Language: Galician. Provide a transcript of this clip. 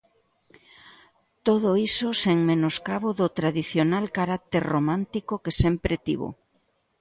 Todo iso sen menoscabo do tradicional carácter romántico que sempre tivo.